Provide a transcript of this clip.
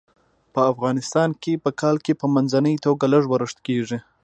په افغانستان کې په کال کې په منځنۍ توګه لږ ورښت کیږي.